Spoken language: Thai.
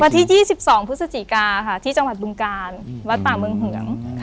วันที่ยี่สิบสองพุศจิกาค่ะที่จังหวัดดุงกาลวัดป่ามึงเหิงค่ะ